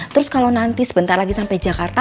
terus kalau nanti sebentar lagi sampai jakarta